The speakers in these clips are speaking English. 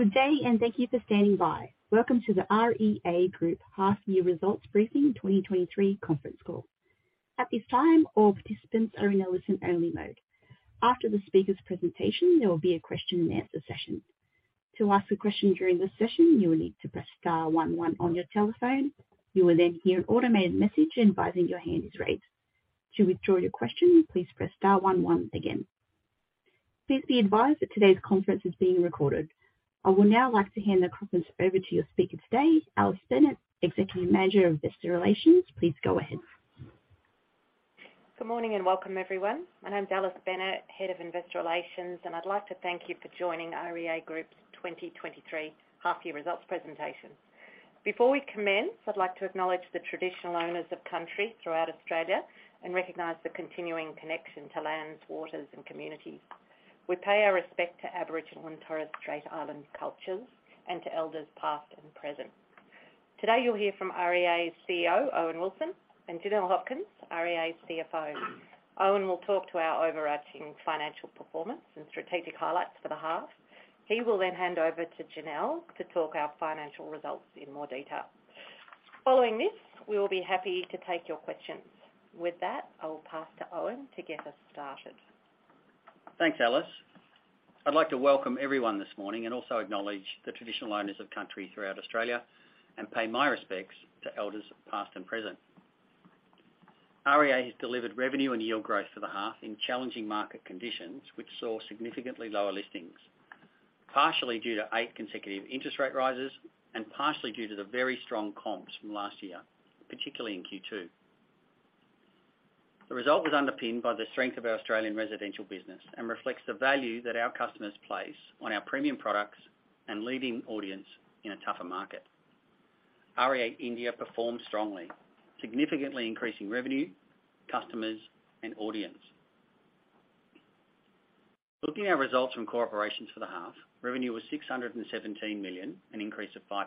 Good day, and thank you for standing by. Welcome to the REA Group Half Year Results Briefing 2023 Conference Call. At this time, all participants are in a listen-only mode. After the speaker's presentation, there will be a question and answer session. To ask a question during this session, you will need to press star one one on your telephone. You will then hear an automated message advising your hand is raised. To withdraw your question, please press star one one again. Please be advised that today's conference is being recorded. I would now like to hand the conference over to your speaker today, Alice Bennett, Executive Manager of Investor Relations. Please go ahead. Good morning, and welcome, everyone. My name is Alice Bennett, Head of Investor Relations, and I'd like to thank you for joining REA Group's 2023 Half Year Results Presentation. Before we commence, I'd like to acknowledge the traditional owners of country throughout Australia and recognize the continuing connection to lands, waters, and communities. We pay our respect to Aboriginal and Torres Strait Island cultures and to elders past and present. Today, you'll hear from REA's CEO, Owen Wilson, and Janelle Hopkins, REA's CFO. Owen will talk to our overarching financial performance and strategic highlights for the half. He will hand over to Janelle to talk our financial results in more detail. Following this, we will be happy to take your questions. With that, I'll pass to Owen to get us started. Thanks, Alice. I'd like to welcome everyone this morning and also acknowledge the traditional owners of country throughout Australia and pay my respects to elders past and present. REA has delivered revenue and yield growth for the half in challenging market conditions, which saw significantly lower listings, partially due to eight consecutive interest rate rises and partially due to the very strong comps from last year, particularly in Q2. The result was underpinned by the strength of our Australian residential business and reflects the value that our customers place on our premium products and leading audience in a tougher market. REA India performed strongly, significantly increasing revenue, customers, and audience. Looking at results from corporations for the half, revenue was 617 million, an increase of 5%.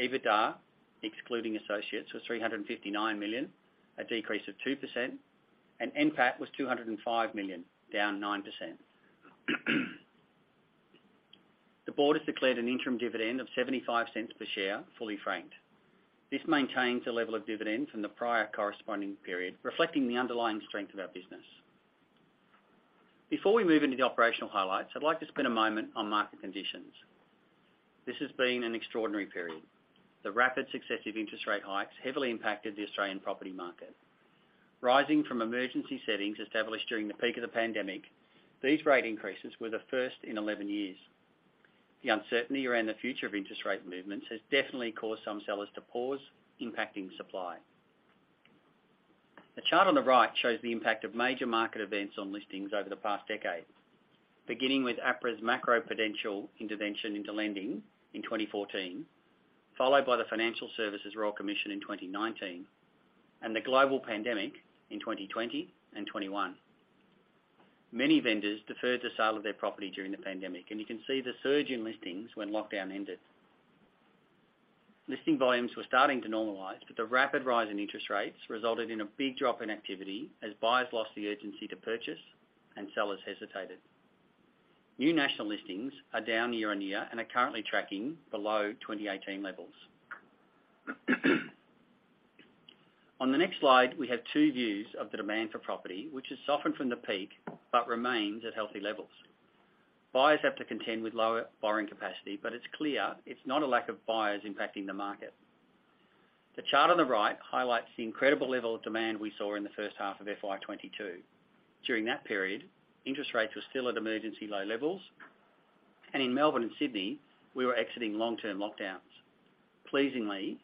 EBITDA, excluding associates, was 359 million, a decrease of 2%, and NPAT was 205 million, down 9%. The board has declared an interim dividend of 0.75 per share, fully franked. This maintains a level of dividends in the prior corresponding period, reflecting the underlying strength of our business. Before we move into the operational highlights, I'd like to spend a moment on market conditions. This has been an extraordinary period. The rapid successive interest rate hikes heavily impacted the Australian property market. Rising from emergency settings established during the peak of the pandemic, these rate increases were the first in 11 years. The uncertainty around the future of interest rate movements has definitely caused some sellers to pause, impacting supply. The chart on the right shows the impact of major market events on listings over the past decade, beginning with APRA's macroprudential intervention into lending in 2014, followed by the Financial Services Royal Commission in 2019, and the global pandemic in 2020 and 2021. Many vendors deferred the sale of their property during the pandemic, and you can see the surge in listings when lockdown ended. Listing volumes were starting to normalize, but the rapid rise in interest rates resulted in a big drop in activity as buyers lost the urgency to purchase and sellers hesitated. New national listings are down year-on-year and are currently tracking below 2018 levels. On the next slide, we have two views of the demand for property, which has softened from the peak but remains at healthy levels. Buyers have to contend with lower borrowing capacity, but it's clear it's not a lack of buyers impacting the market. The chart on the right highlights the incredible level of demand we saw in the first half of FY2022. During that period, interest rates were still at emergency low levels, and in Melbourne and Sydney, we were exiting long-term lockdowns. Pleasingly,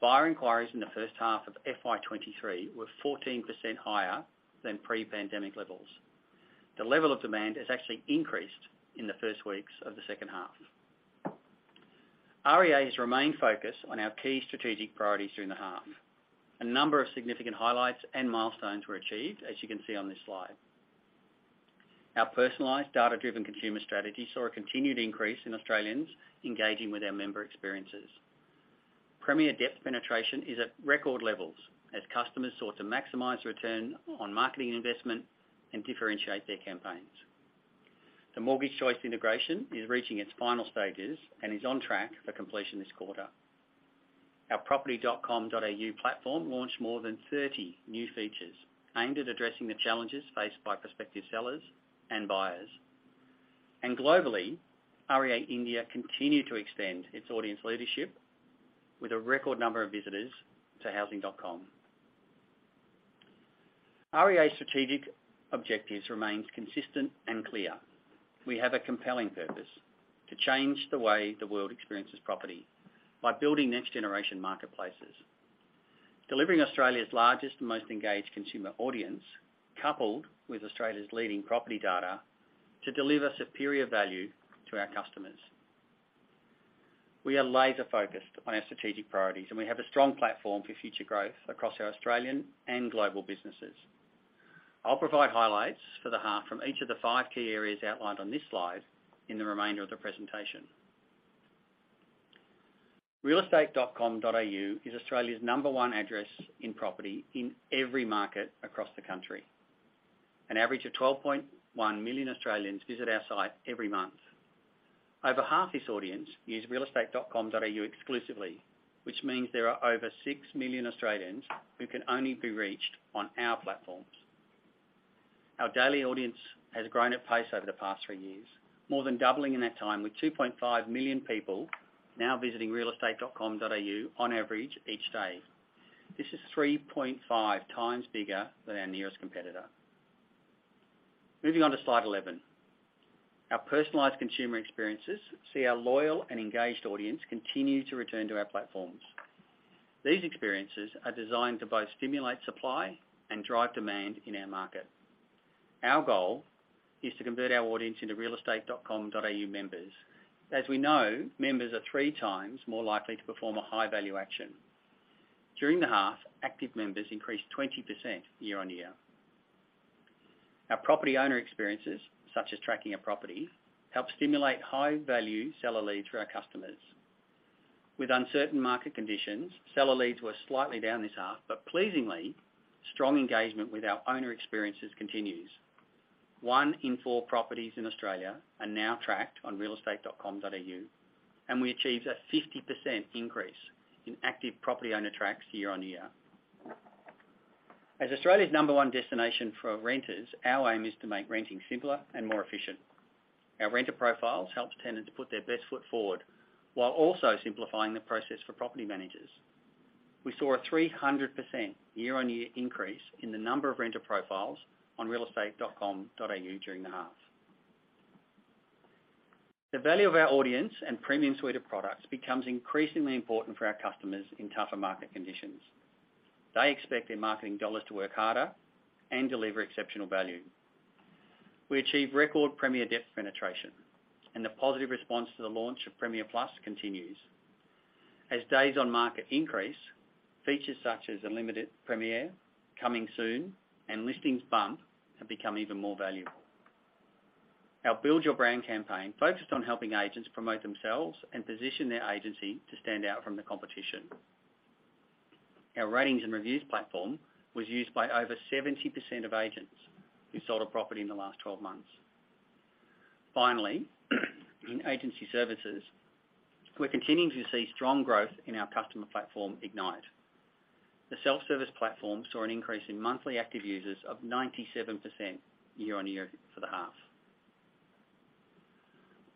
buyer inquiries in the first half of FY2023 were 14% higher than pre-pandemic levels. The level of demand has actually increased in the first weeks of the second half. REA has remained focused on our key strategic priorities during the half. A number of significant highlights and milestones were achieved, as you can see on this slide. Our personalized data-driven consumer strategy saw a continued increase in Australians engaging with our member experiences. Premier depth penetration is at record levels as customers sought to maximize return on marketing investment and differentiate their campaigns. The Mortgage Choice integration is reaching its final stages and is on track for completion this quarter. Our property.com.au platform launched more than 30 new features aimed at addressing the challenges faced by prospective sellers and buyers. Globally, REA India continued to extend its audience leadership with a record number of visitors to Housing.com. REA's strategic objectives remain consistent and clear. We have a compelling purpose: to change the way the world experiences property by building next-generation marketplaces. Delivering Australia's largest and most engaged consumer audience, coupled with Australia's leading property data to deliver superior value to our customers. We are laser-focused on our strategic priorities, and we have a strong platform for future growth across our Australian and global businesses. I'll provide highlights for the half from each of the five key areas outlined on this slide in the remainder of the presentation. realestate.com.au is Australia's number one address in property in every market across the country. An average of 12.1 million Australians visit our site every month. Over half this audience use realestate.com.au exclusively, which means there are over 6 million Australians who can only be reached on our platforms. Our daily audience has grown at pace over the past three years, more than doubling in that time, with 2.5 million people now visiting realestate.com.au on average each day. This is 3.5x bigger than our nearest competitor. Moving on to slide 11. Our personalized consumer experiences see our loyal and engaged audience continue to return to our platforms. These experiences are designed to both stimulate supply and drive demand in our market. Our goal is to convert our audience into realestate.com.au members. As we know, members are 3x more likely to perform a high-value action. During the half, active members increased 20% year-on-year. Our property owner experiences, such as tracking a property, help stimulate high-value seller leads for our customers. With uncertain market conditions, seller leads were slightly down this half, but pleasingly, strong engagement with our owner experiences continues. One in four properties in Australia are now tracked on realestate.com.au, and we achieved a 50% increase in active property owner tracks year-on-year. As Australia's number one destination for renters, our aim is to make renting simpler and more efficient. Our renter profiles helps tenants put their best foot forward while also simplifying the process for property managers. We saw a 300% year-on-year increase in the number of renter profiles on realestate.com.au during the half. The value of our audience and premium suite of products becomes increasingly important for our customers in tougher market conditions. They expect their marketing dollars to work harder and deliver exceptional value. We achieved record Premiere Depth penetration and the positive response to the launch of Premiere+ continues. As days on market increase, features such as Unlimited Premiere+, Coming Soon, and Listing Bump have become even more valuable. Our Build Your Brand campaign focused on helping agents promote themselves and position their agency to stand out from the competition. Our ratings and reviews platform was used by over 70% of agents who sold a property in the last 12 months. Finally, in agency services, we're continuing to see strong growth in our customer platform, Ignite. The self-service platform saw an increase in monthly active users of 97% year-on-year for the half.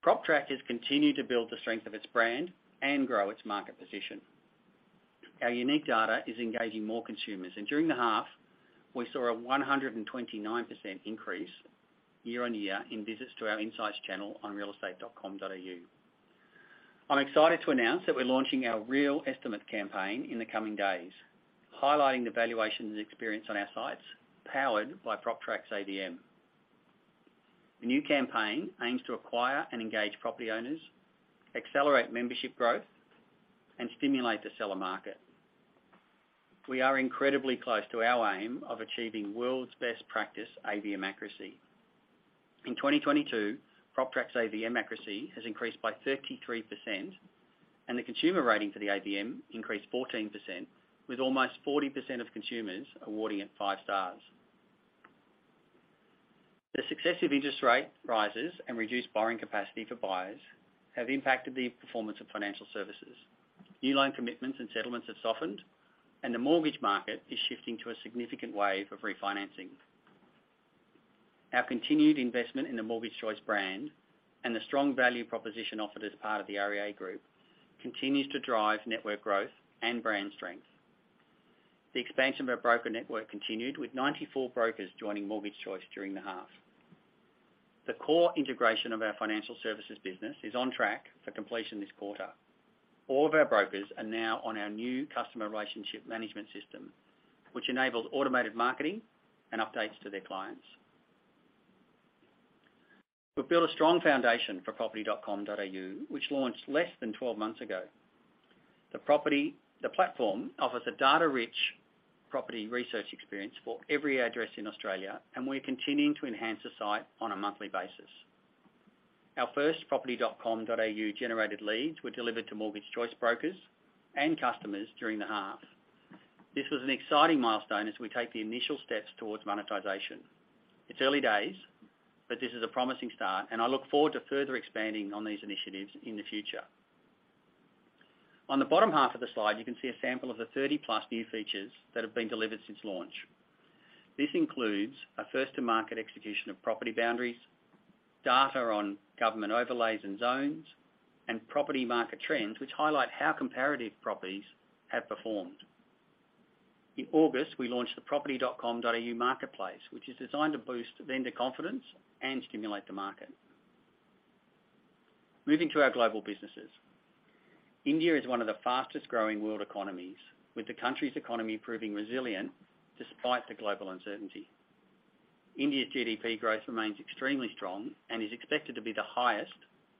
PropTrack has continued to build the strength of its brand and grow its market position. Our unique data is engaging more consumers, and during the half, we saw a 129% increase year-on-year in visits to our insights channel on realestate.com.au. I'm excited to announce that we're launching our realEstimate campaign in the coming days, highlighting the valuations and experience on our sites, powered by PropTrack's AVM. The new campaign aims to acquire and engage property owners, accelerate membership growth, and stimulate the seller market. We are incredibly close to our aim of achieving world's best practice AVM accuracy. In 2022, PropTrack's AVM accuracy has increased by 33%, and the consumer rating for the AVM increased 14%, with almost 40% of consumers awarding it five stars. The successive interest rate rises and reduced borrowing capacity for buyers have impacted the performance of financial services. New loan commitments and settlements have softened, and the mortgage market is shifting to a significant wave of refinancing. Our continued investment in the Mortgage Choice brand and the strong value proposition offered as part of the REA Group continues to drive network growth and brand strength. The expansion of our broker network continued, with 94 brokers joining Mortgage Choice during the half. The core integration of our financial services business is on track for completion this quarter. All of our brokers are now on our new customer relationship management system, which enables automated marketing and updates to their clients. We've built a strong foundation for property.com.au, which launched less than 12 months ago. The platform offers a data-rich property research experience for every address in Australia, and we're continuing to enhance the site on a monthly basis. Our first property.com.au generated leads were delivered to Mortgage Choice brokers and customers during the half. This was an exciting milestone as we take the initial steps towards monetization. It's early days. This is a promising start, and I look forward to further expanding on these initiatives in the future. On the bottom half of the slide, you can see a sample of the 30 + new features that have been delivered since launch. This includes a first-to-market execution of property boundaries, data on government overlays and zones, and property market trends, which highlight how comparative properties have performed. In August, we launched the property.com.au marketplace, which is designed to boost vendor confidence and stimulate the market. Moving to our global businesses. India is one of the fastest-growing world economies, with the country's economy proving resilient despite the global uncertainty. India's GDP growth remains extremely strong and is expected to be the highest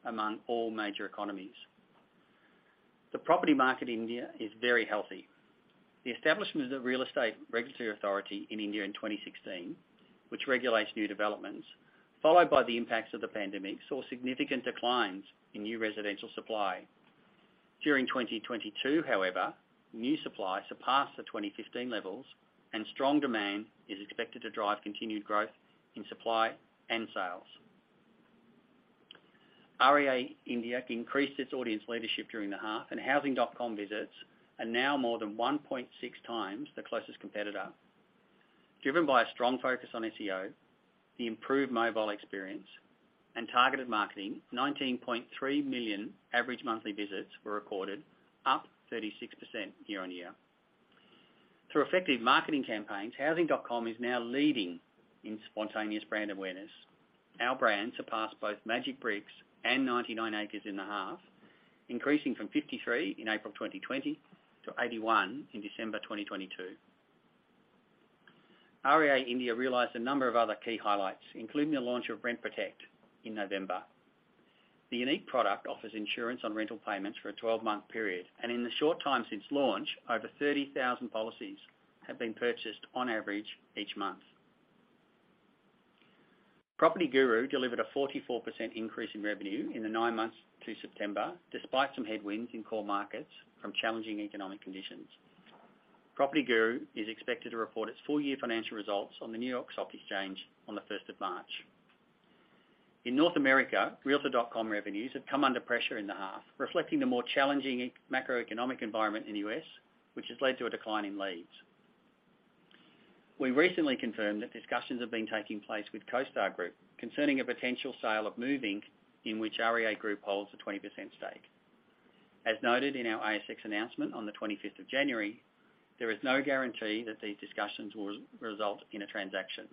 among all major economies. The property market in India is very healthy. The establishment of the Real Estate Regulatory Authority in India in 2016, which regulates new developments, followed by the impacts of the pandemic, saw significant declines in new residential supply. During 2022, however, new supply surpassed the 2015 levels, and strong demand is expected to drive continued growth in supply and sales. REA India increased its audience leadership during the half, and Housing.com visits are now more than 1.6x the closest competitor. Driven by a strong focus on SEO, the improved mobile experience, and targeted marketing, 19.3 million average monthly visits were recorded, up 36% year-on-year. Through effective marketing campaigns, Housing.com is now leading in spontaneous brand awareness. Our brand surpassed both Magicbricks and 99acres in the half, increasing from 53 in April 2020 to 81 in December 2022. REA India realized a number of other key highlights, including the launch of Rent Protect in November. The unique product offers insurance on rental payments for a 12-month period, and in the short time since launch, over 30,000 policies have been purchased on average each month. PropertyGuru delivered a 44% increase in revenue in the nine months to September, despite some headwinds in core markets from challenging economic conditions. PropertyGuru is expected to report its full year financial results on the New York Stock Exchange on the 1st of March.In North America, realtor.com revenues have come under pressure in the half, reflecting the more challenging macroeconomic environment in the US, which has led to a decline in leads. We recently confirmed that discussions have been taking place with CoStar Group concerning a potential sale of Move, Inc., in which REA Group holds a 20% stake. As noted in our ASX announcement on the 25th of January, there is no guarantee that these discussions will result in a transaction.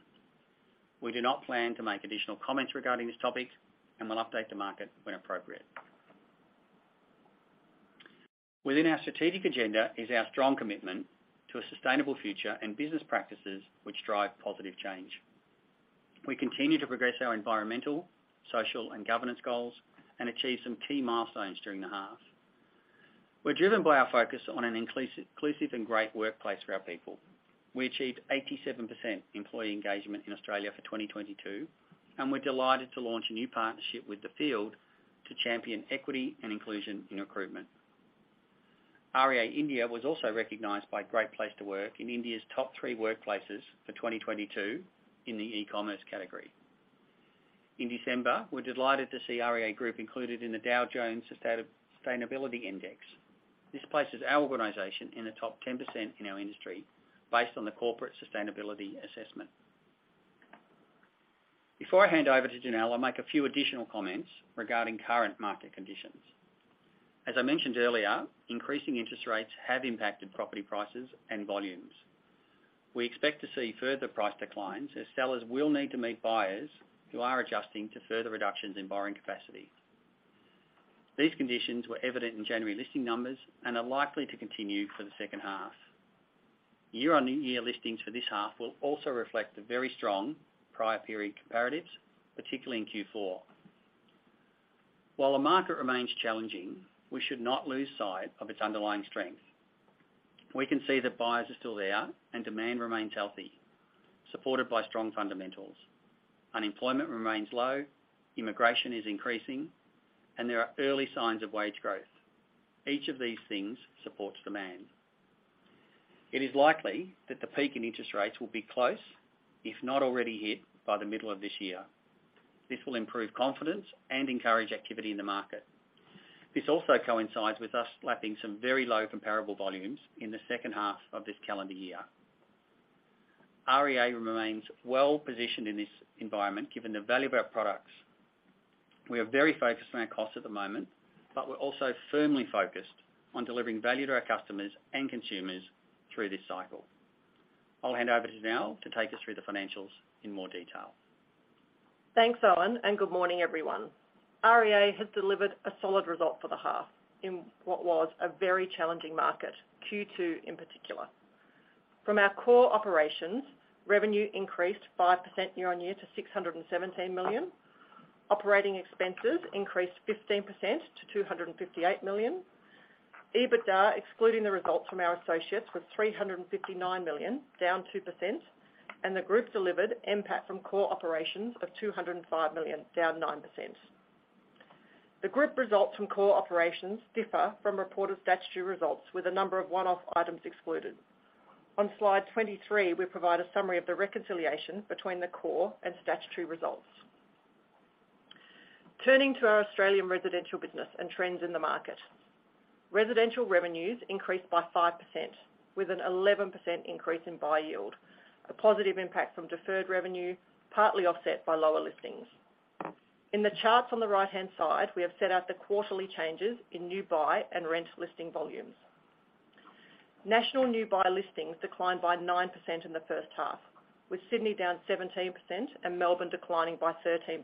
We do not plan to make additional comments regarding this topic, and will update the market when appropriate. Within our strategic agenda is our strong commitment to a sustainable future and business practices which drive positive change. We continue to progress our environmental, social, and governance goals and achieve some key milestones during the half. We're driven by our focus on an inclusive and great workplace for our people. We achieved 87% employee engagement in Australia for 2022, and we're delighted to launch a new partnership with The Fold to champion equity and inclusion in recruitment. REA India was also recognized by Great Place to Work in India's top three workplaces for 2022 in the e-commerce category. In December, we're delighted to see REA Group included in the Dow Jones Sustainability Index. This places our organization in the top 10% in our industry based on the corporate sustainability assessment. Before I hand over to Janelle, I'll make a few additional comments regarding current market conditions. As I mentioned earlier, increasing interest rates have impacted property prices and volumes. We expect to see further price declines as sellers will need to meet buyers who are adjusting to further reductions in borrowing capacity. These conditions were evident in January listing numbers and are likely to continue for the second half. Year-on-year listings for this half will also reflect the very strong prior period comparatives, particularly in Q4. While the market remains challenging, we should not lose sight of its underlying strength. We can see that buyers are still there and demand remains healthy, supported by strong fundamentals. Unemployment remains low, immigration is increasing, and there are early signs of wage growth. Each of these things supports demand. It is likely that the peak in interest rates will be close, if not already hit by the middle of this year. This will improve confidence and encourage activity in the market. This also coincides with us lapping some very low comparable volumes in the second half of this calendar year. REA remains well positioned in this environment, given the value of our products. We are very focused on our costs at the moment. We're also firmly focused on delivering value to our customers and consumers through this cycle. I'll hand over to Janelle to take us through the financials in more detail. Thanks, Owen, and good morning, everyone. REA has delivered a solid result for the half in what was a very challenging market, Q2 in particular. From our core operations, revenue increased 5% year on year to 617 million. Operating expenses increased 15% to 258 million. EBITDA, excluding the results from our associates, was 359 million, down 2%, and the group delivered NPAT from core operations of 205 million, down 9%. The group results from core operations differ from reported statutory results with a number of one-off items excluded. On slide 23, we provide a summary of the reconciliation between the core and statutory results. Turning to our Australian residential business and trends in the market. Residential revenues increased by 5% with an 11% increase in buy yield, a positive impact from deferred revenue, partly offset by lower listings. In the charts on the right-hand side, we have set out the quarterly changes in new buy and rent listing volumes. National new buyer listings declined by 9% in the first half, with Sydney down 17% and Melbourne declining by 13%.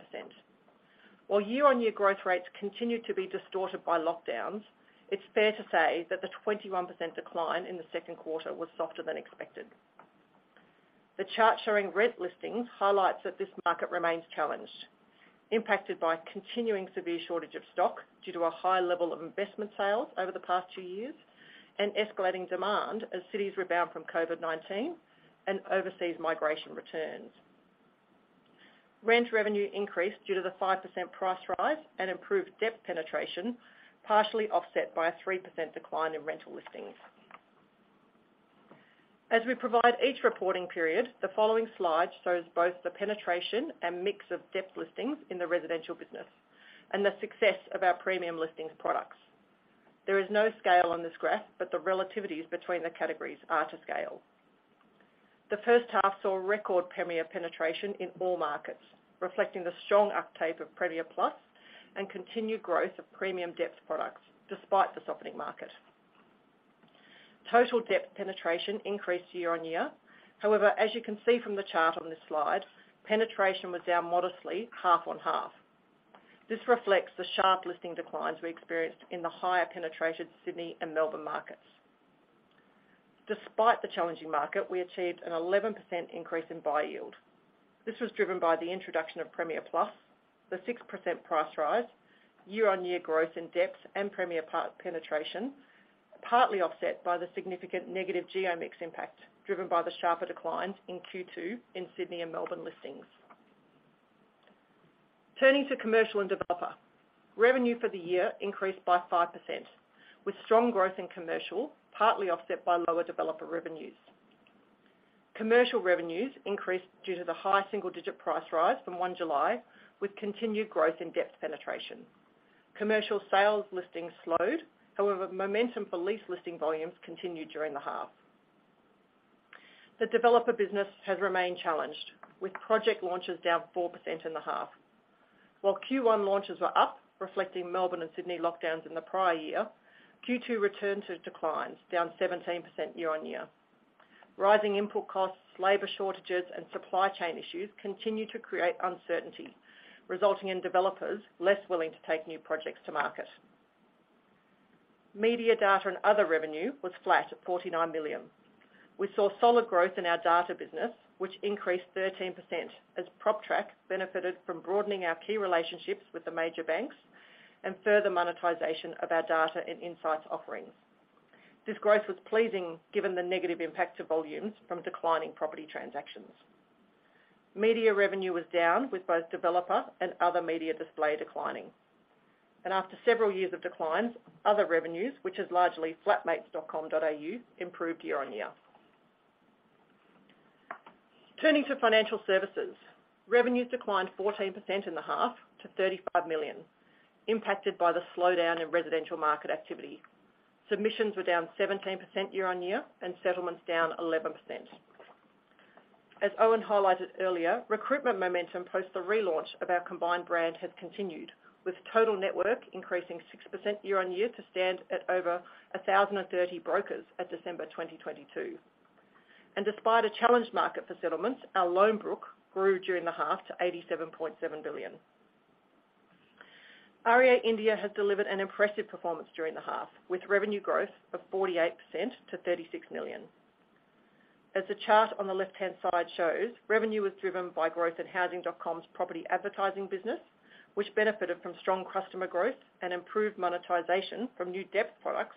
While year-on-year growth rates continued to be distorted by lockdowns, it's fair to say that the 21% decline in the second quarter was softer than expected. The chart showing rent listings highlights that this market remains challenged, impacted by continuing severe shortage of stock due to a high level of investment sales over the past two years and escalating demand as cities rebound from COVID-19 and overseas migration returns. Rent revenue increased due to the 5% price rise and improved depth penetration, partially offset by a 3% decline in rental listings. As we provide each reporting period, the following slide shows both the penetration and mix of depth listings in the residential business and the success of our premium listings products. There is no scale on this graph, but the relativities between the categories are to scale. The first half saw record Premiere+ penetration in all markets, reflecting the strong uptake of Premiere+ and continued growth of premium depth products despite the softening market. Total depth penetration increased year-over-year. However, as you can see from the chart on this slide, penetration was down modestly half-over-half. This reflects the sharp listing declines we experienced in the higher penetrated Sydney and Melbourne markets. Despite the challenging market, we achieved an 11% increase in buy yield. This was driven by the introduction of Premiere+, the 6% price rise, year-on-year growth in depth and Premiere+ penetration, partly offset by the significant negative geo mix impact driven by the sharper declines in Q2 in Sydney and Melbourne listings. Turning to commercial and developer. Revenue for the year increased by 5%, with strong growth in commercial, partly offset by lower developer revenues. Commercial revenues increased due to the high single-digit price rise from one July, with continued growth in depth penetration. Commercial sales listings slowed, however, momentum for lease listing volumes continued during the half. The developer business has remained challenged, with project launches down 4% in the half. While Q1 launches were up, reflecting Melbourne and Sydney lockdowns in the prior year, Q2 returned to declines, down 17% year-on-year. Rising input costs, labor shortages, and supply chain issues continue to create uncertainty, resulting in developers less willing to take new projects to market. Media data and other revenue was flat at 49 million. We saw solid growth in our data business, which increased 13% as PropTrack benefited from broadening our key relationships with the major banks and further monetization of our data and insights offerings. This growth was pleasing given the negative impact to volumes from declining property transactions. Media revenue was down with both developer and other media display declining. After several years of declines, other revenues, which is largely Flatmates.com.au, improved year-on-year. Turning to financial services, revenues declined 14% in the half to 35 million, impacted by the slowdown in residential market activity. Submissions were down 17% year-on-year and settlements down 11%.As Owen highlighted earlier, recruitment momentum post the relaunch of our combined brand has continued, with total network increasing 6% year-on-year to stand at over 1,030 brokers at December 2022. Despite a challenged market for settlements, our loan book grew during the half to 87.7 billion. REA India has delivered an impressive performance during the half, with revenue growth of 48% to 36 million. As the chart on the left-hand side shows, revenue was driven by growth in Housing.com's property advertising business, which benefited from strong customer growth and improved monetization from new depth products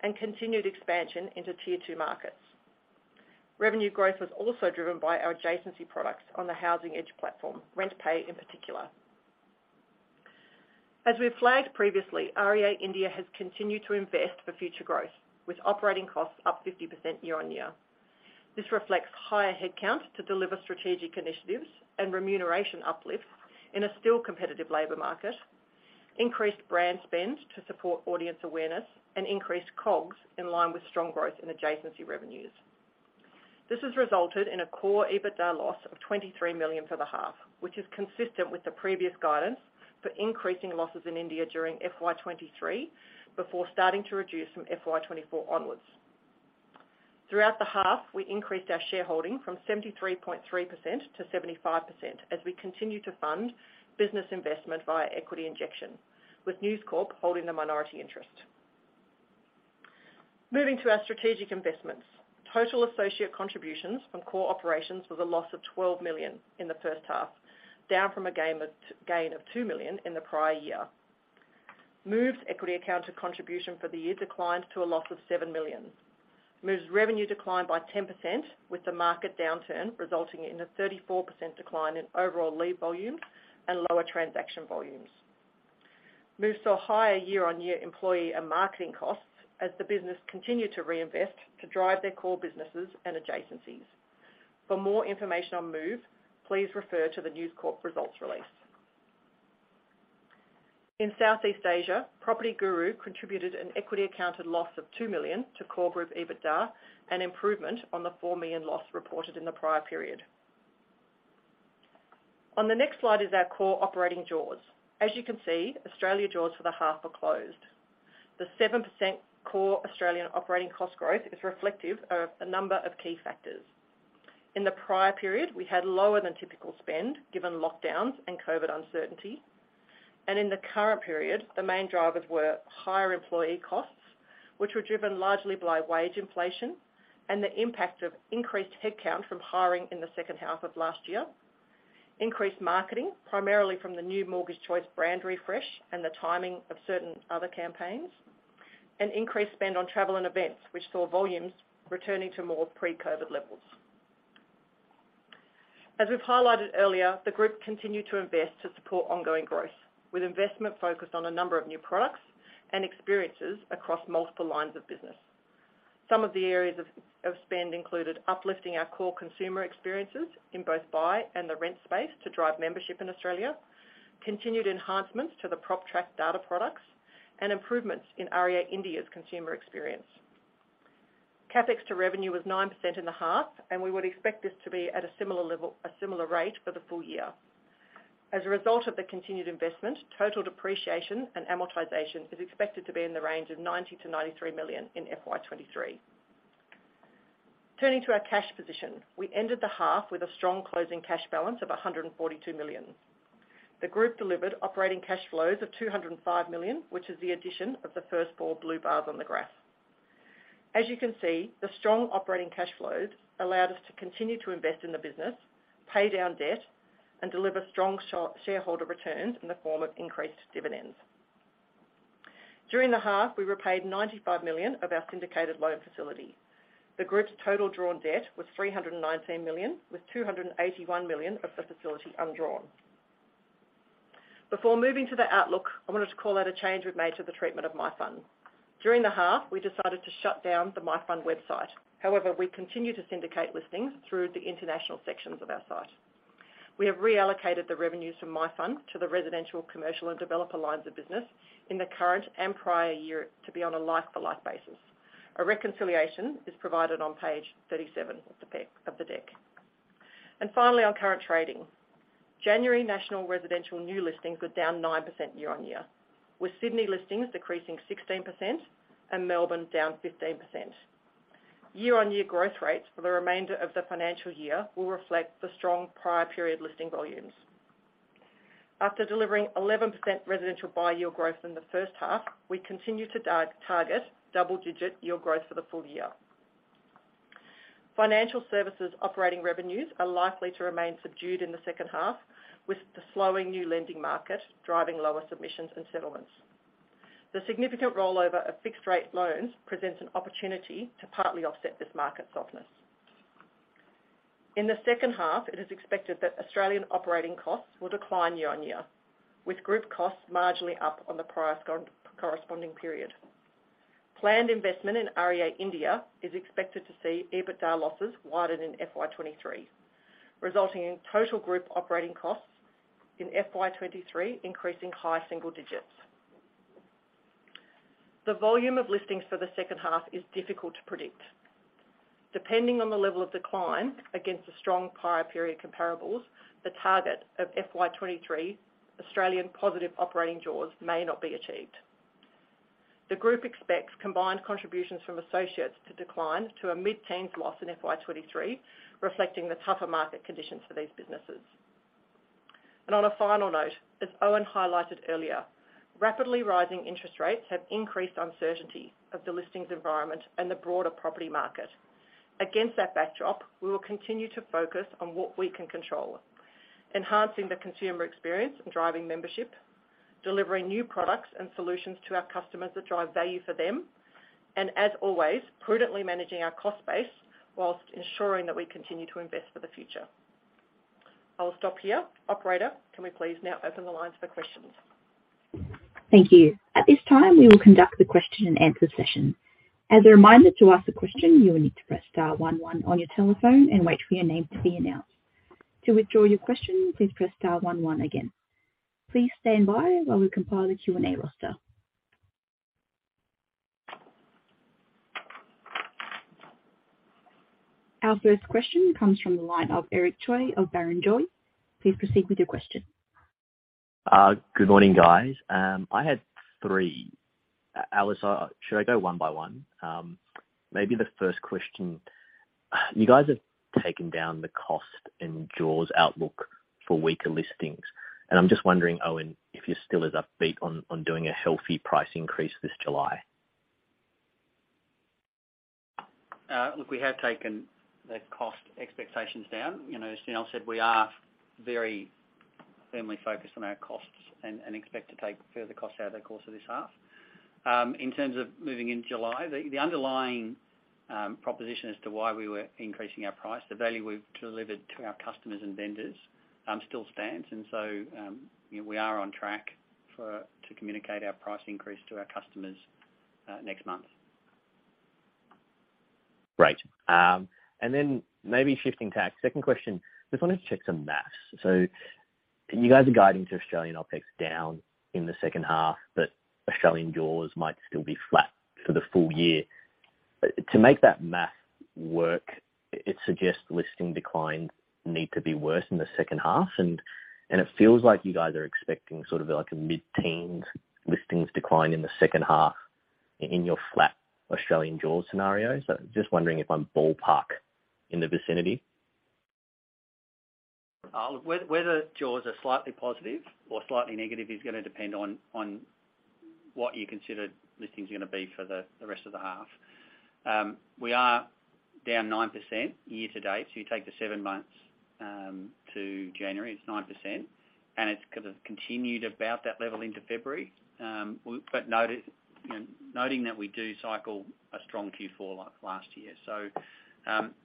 and continued expansion into Tier 2 markets. Revenue growth was also driven by our adjacency products on the Housing Edge platform, RentPay in particular. As we've flagged previously, REA India has continued to invest for future growth, with operating costs up 50% year-on-year. This reflects higher headcount to deliver strategic initiatives and remuneration uplifts in a still competitive labor market, increased brand spend to support audience awareness, and increased COGS in line with strong growth in adjacency revenues. This has resulted in a core EBITDA loss of 23 million for the half, which is consistent with the previous guidance for increasing losses in India during FY 2023, before starting to reduce from FY 2024 onwards. Throughout the half, we increased our shareholding from 73.3% to 75% as we continue to fund business investment via equity injection, with News Corp holding the minority interest. Moving to our strategic investments. Total associate contributions from core operations was a loss of 12 million in the first half, down from a gain of 2 million in the prior year. Move's equity account to contribution for the year declined to a loss of $7 million. Move's revenue declined by 10%, with the market downturn resulting in a 34% decline in overall lead volumes and lower transaction volumes. Move saw higher year-on-year employee and marketing costs as the business continued to reinvest to drive their core businesses and adjacencies. For more information on Move, please refer to the News Corp results release. In Southeast Asia, PropertyGuru contributed an equity accounted loss of $2 million to core group EBITDA, an improvement on the $4 million loss reported in the prior period. On the next slide is our core operating jaws. As you can see, Australia jaws for the half are closed. The 7% core Australian operating cost growth is reflective of a number of key factors. In the prior period, we had lower than typical spend given lockdowns and COVID uncertainty. In the current period, the main drivers were higher employee costs, which were driven largely by wage inflation and the impact of increased headcount from hiring in the second half of last year. Increased marketing, primarily from the new Mortgage Choice brand refresh and the timing of certain other campaigns, and increased spend on travel and events, which saw volumes returning to more pre-COVID levels. As we've highlighted earlier, the group continued to invest to support ongoing growth, with investment focused on a number of new products and experiences across multiple lines of business. Some of the areas of spend included uplifting our core consumer experiences in both buy and the rent space to drive membership in Australia, continued enhancements to the PropTrack data products, and improvements in REA India's consumer experience. CapEx to revenue was 9% in the half. We would expect this to be at a similar rate for the full year. As a result of the continued investment, total depreciation and amortization is expected to be in the range of 90 million-93 million in FY 2023. Turning to our cash position. We ended the half with a strong closing cash balance of 142 million. The group delivered operating cash flows of 205 million, which is the addition of the first four blue bars on the graph. As you can see, the strong operating cash flows allowed us to continue to invest in the business, pay down debt, and deliver strong shareholder returns in the form of increased dividends. During the half, we repaid 95 million of our syndicated loan facility. The group's total drawn debt was 319 million, with 281 million of the facility undrawn. Before moving to the outlook, I wanted to call out a change we've made to the treatment of myfun. During the half, we decided to shut down the myfun website. However, we continue to syndicate listings through the international sections of our site. We have reallocated the revenues from myfun to the residential, commercial, and developer lines of business in the current and prior year to be on a like for like basis. A reconciliation is provided on page 37 of the deck. Finally, on current trading. January national residential new listings were down 9% year-on-year, with Sydney listings decreasing 16% and Melbourne down 15%. Year-on-year growth rates for the remainder of the financial year will reflect the strong prior period listing volumes. After delivering 11% residential buy year growth in the first half, we continue to target double-digit year growth for the full year. Financial services operating revenues are likely to remain subdued in the second half, with the slowing new lending market driving lower submissions and settlements. The significant rollover of fixed rate loans presents an opportunity to partly offset this market softness. In the second half, it is expected that Australian operating costs will decline year-on-year, with group costs marginally up on the prior corresponding period. Planned investment in REA India is expected to see EBITDA losses wider than FY 2023, resulting in total group operating costs in FY 2023, increasing high single digits. The volume of listings for the second half is difficult to predict. Depending on the level of decline against the strong prior period comparables, the target of FY 2023 Australian positive operating jaws may not be achieved. The group expects combined contributions from associates to decline to a mid-teen loss in FY 2023, reflecting the tougher market conditions for these businesses. On a final note, as Owen highlighted earlier, rapidly rising interest rates have increased uncertainty of the listings environment and the broader property market. Against that backdrop, we will continue to focus on what we can control. Enhancing the consumer experience and driving membership, delivering new products and solutions to our customers that drive value for them, and as always, prudently managing our cost base whilst ensuring that we continue to invest for the future. I'll stop here. Operator, can we please now open the lines for questions? Thank you. At this time, we will conduct the question and answer session. As a reminder, to ask a question, you will need to press star one one on your telephone and wait for your name to be announced. To withdraw your question, please press star one one again. Please stand by while we compile a Q&A roster. Our first question comes from the line of Eric Choi of Barrenjoey. Please proceed with your question. Good morning, guys. I had three. Alice, should I go one by one? Maybe the first question. You guys have taken down the cost and jaws outlook for weaker listings. I'm just wondering, Owen, if you're still as upbeat on doing a healthy price increase this July. Look, we have taken the cost expectations down. You know, as Janelle said, we are very firmly focused on our costs and expect to take further costs out over the course of this half. In terms of moving in July, the underlying proposition as to why we were increasing our price, the value we've delivered to our customers and vendors, still stands. You know, we are on track to communicate our price increase to our customers next month. Great. Then maybe shifting tack. Second question. Just wanted to check some math. You guys are guiding to Australian OpEx down in the second half, but Australian jaws might still be flat for the full year. To make that math work, it suggests listing declines need to be worse in the second half. It feels like you guys are expecting sort of like a mid-teens listings decline in the second half in your flat Australian jaws scenario. Just wondering if I'm ballpark in the vicinity. Whether jaws are slightly positive or slightly negative is gonna depend on what you consider listings are gonna be for the rest of the half. We are down 9% year to date. You take the seven months to January, it's 9%, and it's kind of continued about that level into February. But noting that we do cycle a strong Q4 like last year.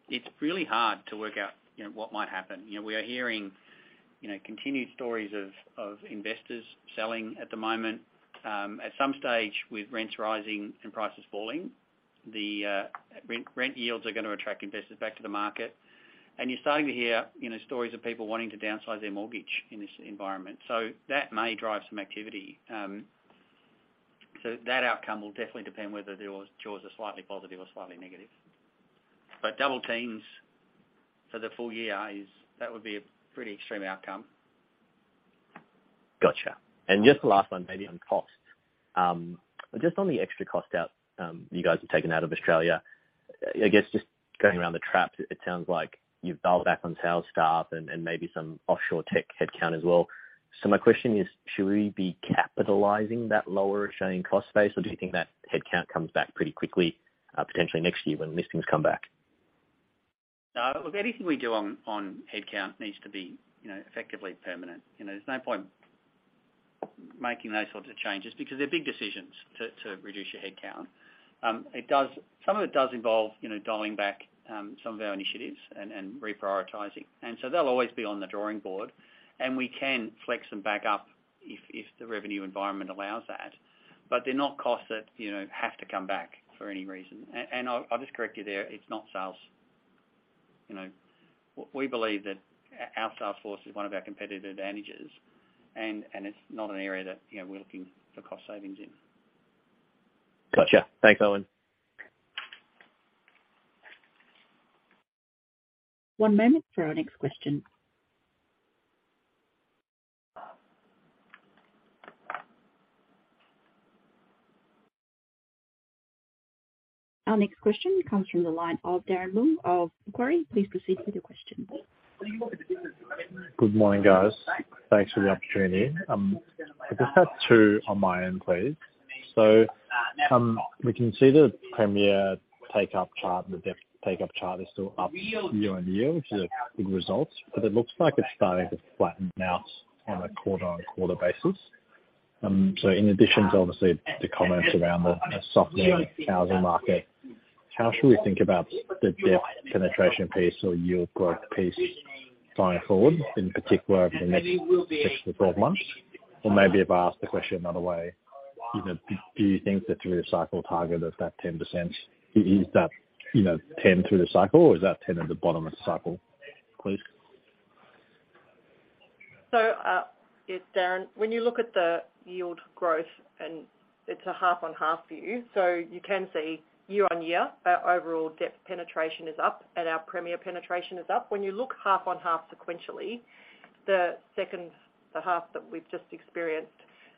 It's really hard to work out, you know, what might happen. You know, we are hearing, you know, continued stories of investors selling at the moment. At some stage, with rents rising and prices falling, the rent yields are gonna attract investors back to the market. You're starting to hear, you know, stories of people wanting to downsize their mortgage in this environment. That may drive some activity. That outcome will definitely depend whether the jaws are slightly positive or slightly negative. Double teens for the full year is. That would be a pretty extreme outcome. Gotcha. Just the last one, maybe on cost. Just on the extra cost out, you guys have taken out of Australia, I guess just going around the trap, it sounds like you've dialed back on sales staff and maybe some offshore tech headcount as well. My question is, should we be capitalizing that lower Australian cost base, or do you think that headcount comes back pretty quickly, potentially next year when listings come back? No. Look, anything we do on headcount needs to be, you know, effectively permanent. You know, there's no point making those sorts of changes because they're big decisions to reduce your headcount. Some of it does involve, you know, dialing back, some of our initiatives and reprioritizing, so they'll always be on the drawing board, and we can flex them back up if the revenue environment allows that. They're not costs that, you know, have to come back for any reason. I'll just correct you there. It's not sales. You know, we believe that our sales force is one of our competitive advantages, and it's not an area that, you know, we're looking for cost savings in. Gotcha. Thanks, Owen. One moment for our next question. Our next question comes from the line of Darren Leung of Macquarie. Please proceed with your question. Good morning, guys. Thanks for the opportunity. I just have two on my end, please. We can see the premier take-up chart. The dep take-up chart is still up year-over-year, which are good results, but it looks like it's starting to flatten out on a quarter-over-quarter basis. In addition to obviously the comments around the softening housing market, how should we think about the dep penetration piece or yield growth piece going forward, in particular over the next 6-12 months? Maybe if I ask the question another way, you know, do you think the through cycle target of that 10%, is that, you know, 10% through the cycle or is that 10% at the bottom of the cycle, please? Yeah, Darren, when you look at the yield growth and it's a half on half view, so you can see year on year, our overall depth penetration is up and our premier penetration is up. When you look half on half sequentially, the half that we've just experienced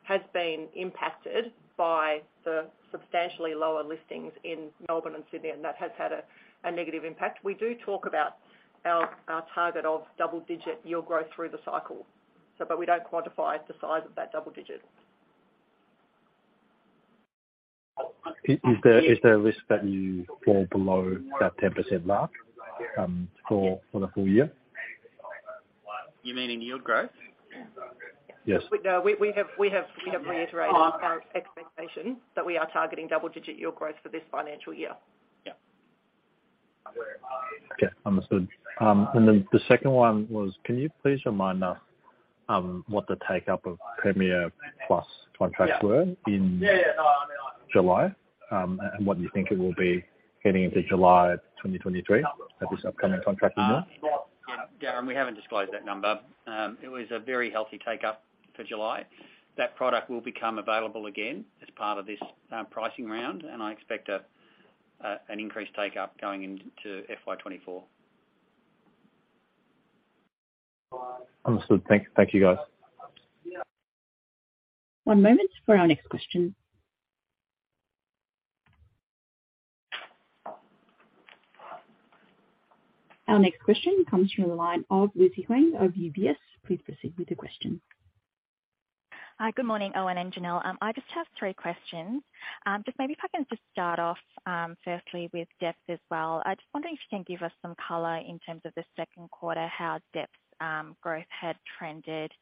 has been impacted by the substantially lower listings in Melbourne and Sydney, and that has had a negative impact. We do talk about our target of double digit yield growth through the cycle. We don't quantify the size of that double digit. Is there a risk that you fall below that 10% mark, for the full year? You mean in yield growth? Yes. No. We have reiterated our expectation that we are targeting double digit yield growth for this financial year. Yeah. Okay, understood. The second one was can you please remind us, what the take-up of Premiere+ contracts were in July, and what you think it will be heading into July of 2023 at this upcoming contracting month? Yeah. Darren, we haven't disclosed that number. It was a very healthy take-up for July. That product will become available again as part of this pricing round. I expect an increased take-up going into FY 2024. Understood. Thank you, guys. One moment for our next question. Our next question comes from the line of Lucy Huang of UBS. Please proceed with your question. Hi. Good morning, Owen and Janelle. I just have three questions. Just maybe if I can just start off, firstly with depth as well. I just wonder if you can give us some color in terms of the second quarter, how depth growth had trended,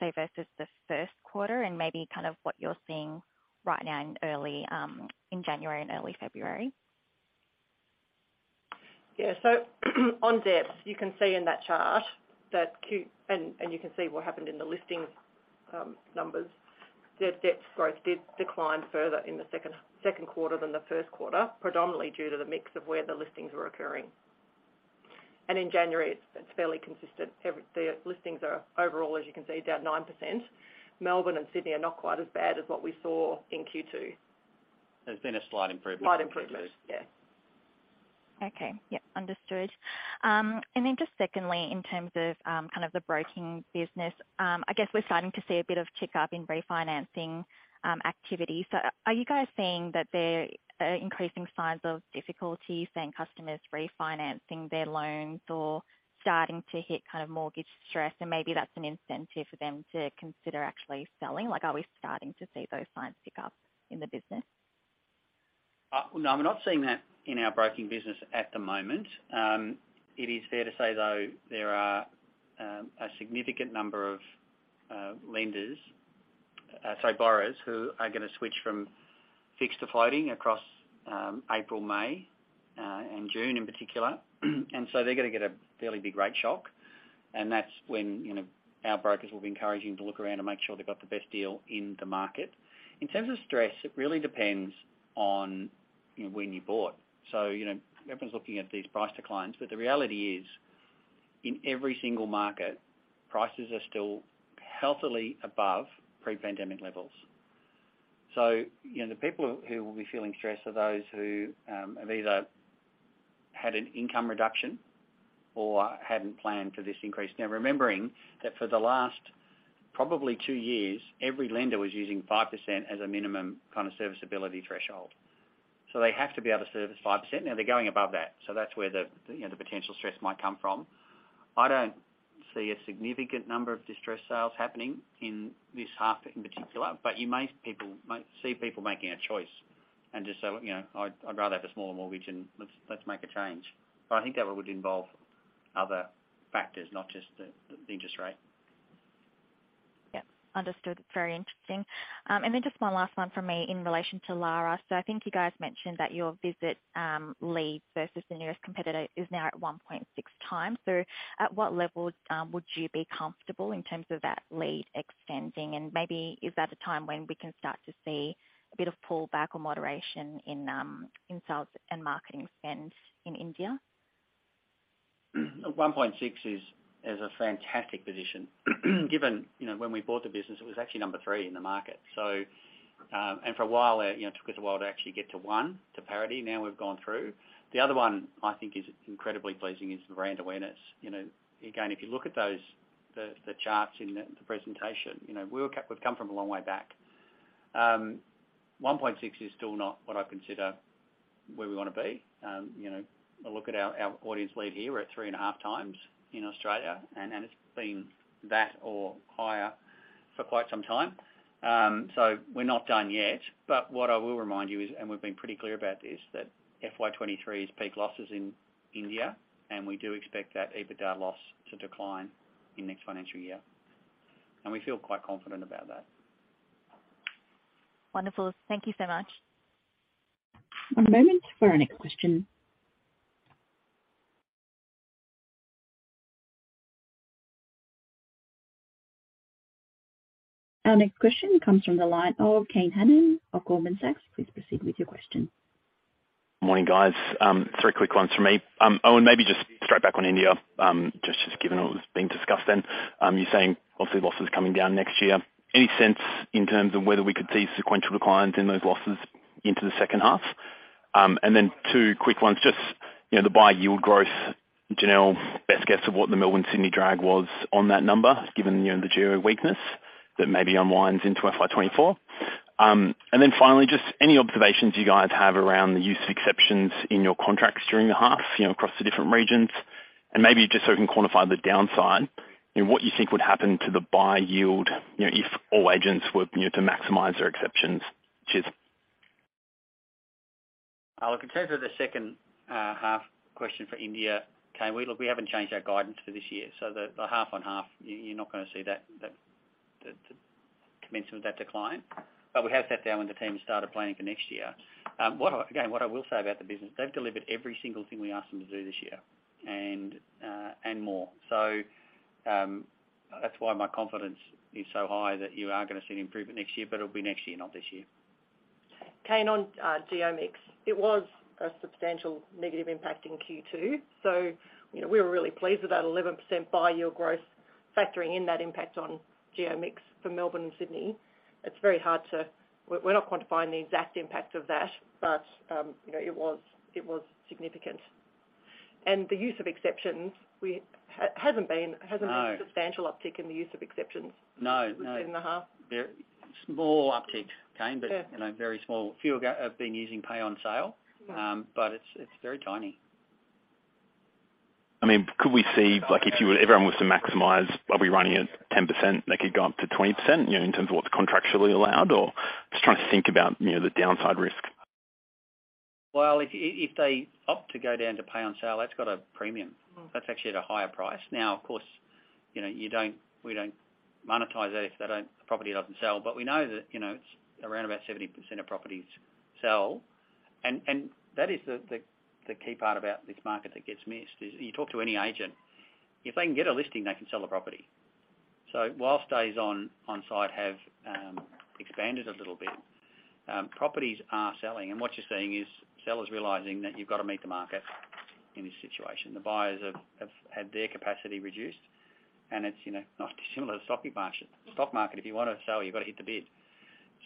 say, versus the first quarter and maybe kind of what you're seeing right now in early in January and early February. On depth, you can see in that chart that you can see what happened in the listings numbers. The depth growth did decline further in the second quarter than the first quarter, predominantly due to the mix of where the listings were occurring. In January, it's fairly consistent. The listings are overall, as you can see, down 9%. Melbourne and Sydney are not quite as bad as what we saw in Q2. There's been a slight improvement. Slight improvement. Yeah. Okay. Yep, understood. Then just secondly, in terms of kind of the broking business, I guess we're starting to see a bit of tick up in refinancing activity. Are you guys seeing that there are increasing signs of difficulty, seeing customers refinancing their loans or starting to hit kind of mortgage stress, and maybe that's an incentive for them to consider actually selling? Like, are we starting to see those signs tick up in the business? No, we're not seeing that in our broking business at the moment. It is fair to say, though, there are a significant number of lenders, sorry, borrowers who are gonna switch from fixed to floating across April, May, and June in particular. They're gonna get a fairly big rate shock, and that's when, you know, our brokers will be encouraging to look around and make sure they've got the best deal in the market. In terms of stress, it really depends on, you know, when you bought. Everyone's looking at these price declines, but the reality is, in every single market, prices are still healthily above pre-pandemic levels. You know, the people who will be feeling stressed are those who have either had an income reduction or hadn't planned for this increase. Remembering that for the last probably two years, every lender was using 5% as a minimum kind of serviceability threshold. They have to be able to service 5%. Now they're going above that. That's where the, you know, the potential stress might come from. I don't see a significant number of distressed sales happening in this half in particular, but you might see people making a choice and just say, "Well, you know, I'd rather have a smaller mortgage, and let's make a change." I think that would involve other factors, not just the interest rate. Yep, understood. Very interesting. Just one last one from me in relation to Elara. I think you guys mentioned that your visit lead versus the nearest competitor is now at 1.6x. At what level would you be comfortable in terms of that lead extending? Maybe is that a time when we can start to see a bit of pull back or moderation in sales and marketing spend in India? 1.6x is a fantastic position given, you know, when we bought the business, it was actually number three in the market. For a while, you know, it took us a while to actually get to one, to parity. Now we've gone through. The other one I think is incredibly pleasing is the brand awareness. You know, again, if you look at those, the charts in the presentation, you know, we've come from a long way back. 1.6x is still not what I consider where we wanna be. You know, a look at our audience lead here, we're at 3.5x in Australia, and it's been that or higher for quite some time. We're not done yet. What I will remind you is, and we've been pretty clear about this, that FY 2023 is peak losses in India, and we do expect that EBITDA loss to decline in next financial year. We feel quite confident about that. Wonderful. Thank you so much. One moment for our next question. Our next question comes from the line of Kane Hannan of Goldman Sachs. Please proceed with your question. Morning, guys. Three quick ones from me. Owen, maybe just straight back on India, just given all that's being discussed then. You're saying obviously losses coming down next year. Any sense in terms of whether we could see sequential declines in those losses into the second half? Two quick ones. Just, you know, the buy yield growth, Janelle, best guess of what the Melbourne Sydney drag was on that number, given, you know, the geo weakness that maybe unwinds in FY 2024. Finally, just any observations you guys have around the use of exceptions in your contracts during the half, you know, across the different regions. Maybe just so we can quantify the downside, you know, what you think would happen to the buy yield, you know, if all agents were, you know, to maximize their exceptions. Cheers. Look, in terms of the second half question for India, Kane, we haven't changed our guidance for this year, so the half on half, you're not gonna see that, the commencement of that decline. We have sat down with the team and started planning for next year. Again, what I will say about the business, they've delivered every single thing we asked them to do this year and more. That's why my confidence is so high that you are gonna see an improvement next year, but it'll be next year, not this year. Kane, on geo mix, it was a substantial negative impact in Q2. You know, we were really pleased with that 11% buy yield growth factoring in that impact on geo mix for Melbourne and Sydney. It's very hard. We're not quantifying the exact impact of that, but, you know, it was significant. The use of exceptions. No. Hasn't been a substantial uptick in the use of exceptions. No, no. Within the half. Very small uptick, Kane. Yeah You know, very small. Few of our-- have been using Pay on Sale. Yeah. It's very tiny. I mean, could we see, like, everyone was to maximize, are we running at 10% that could go up to 20%, you know, in terms of what's contractually allowed? Just trying to think about, you know, the downside risk. Well, if they opt to go down to Pay on Sale, that's got a premium. Mmmh. That's actually at a higher price. Now, of course, you know, you don't we don't monetize that if they don't, the property doesn't sell, but we know that, you know, it's around about 70% of properties sell. That is the key part about this market that gets missed, is you talk to any agent, if they can get a listing, they can sell the property. Whilst days on site have expanded a little bit, properties are selling. What you're seeing is sellers realizing that you've got to meet the market in this situation. The buyers have had their capacity reduced, and it's, you know, not dissimilar to the stock market. If you wanna sell, you've got to hit the bid.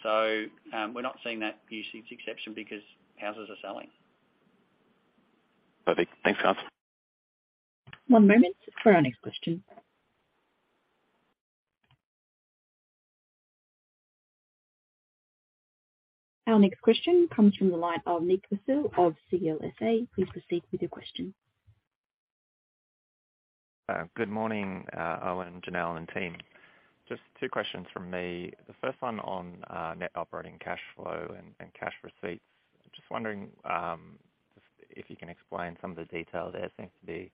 We're not seeing that usage exception because houses are selling. Perfect. Thanks, guys. One moment for our next question. Our next question comes from the line of Nick Basile of CLSA. Please proceed with your question. Good morning, Owen, Janelle, and team. Just two questions from me. The first one on net operating cash flow and cash receipts. Just wondering if you can explain some of the detail there seems to be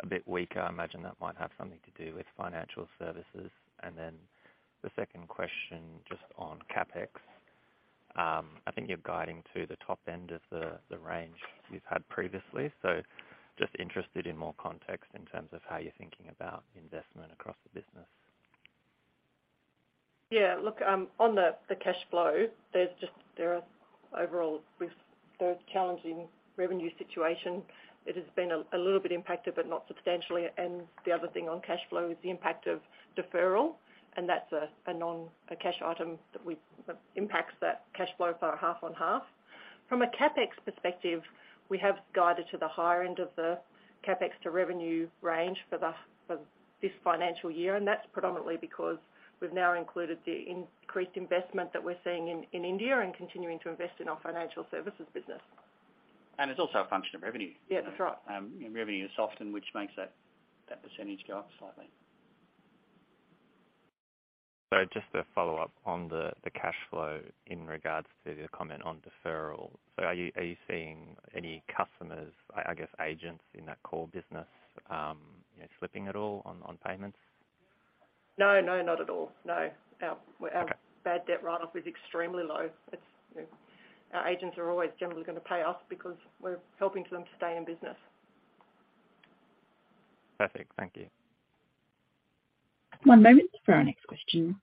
a bit weaker. I imagine that might have something to do with financial services. The second question just on CapEx. I think you're guiding to the top end of the range you've had previously. Just interested in more context in terms of how you're thinking about investment across the business. Yeah. Look, on the cash flow, there are overall with the challenging revenue situation, it has been a little bit impacted, but not substantially. The other thing on cash flow is the impact of deferral, and that's a non-cash item that impacts that cash flow for half on half. From a CapEx perspective, we have guided to the higher end of the CapEx to revenue range for this financial year, and that's predominantly because we've now included the increased investment that we're seeing in India and continuing to invest in our financial services business. It's also a function of revenue. Yeah, that's right. Revenue is soft, and which makes that percentage go up slightly. Just to follow up on the cash flow in regards to the comment on deferral. Are you seeing any customers, I guess agents in that core business, you know, slipping at all on payments? No, no, not at all. No. Okay. Our bad debt write-off is extremely low. It's, you know, our agents are always generally gonna pay us because we're helping them to stay in business. Perfect. Thank you. One moment for our next question.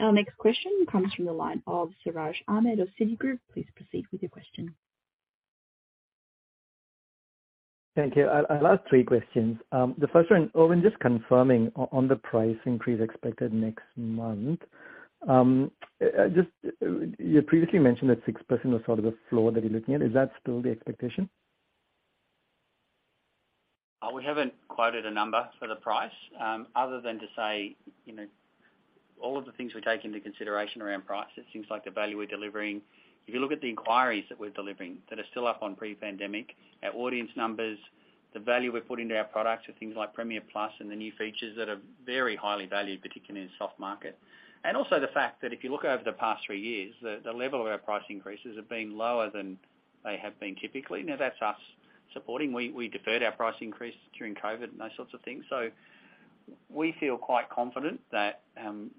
Our next question comes from the line of Siraj Ahmed of Citigroup. Please proceed with your question. Thank you. I'll ask three questions. The first one, Owen, just confirming on the price increase expected next month. Just, you previously mentioned that 6% was sort of the floor that you're looking at. Is that still the expectation? We haven't quoted a number for the price, you know, other than to say all of the things we take into consideration around prices, things like the value we're delivering. If you look at the inquiries that we're delivering that are still up on pre-pandemic, our audience numbers, the value we're putting into our products are things like Premiere+ and the new features that are very highly valued, particularly in a soft market. Also the fact that if you look over the past three years, the level of our price increases have been lower than they have been typically. That's us supporting. We deferred our price increase during COVID and those sorts of things. We feel quite confident that